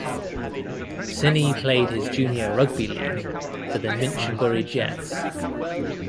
Cini played his junior rugby league for the Minchinbury Jets.